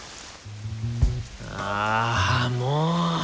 ああもう！